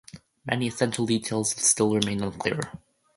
Many essential details still have remained unclear.